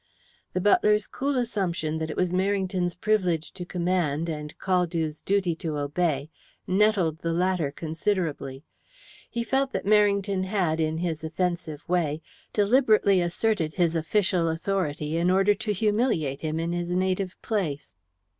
The butler's cool assumption that it was Merrington's privilege to command, and Caldew's duty to obey, nettled the latter considerably. He felt that Merrington had, in his offensive way, deliberately asserted his official authority in order to humiliate him in his native place.